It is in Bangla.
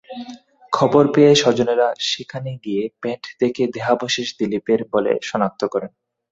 খবর পেয়ে স্বজনেরা সেখানে গিয়ে প্যান্ট দেখে দেহাবশেষ দিলীপের বলে শনাক্ত করেন।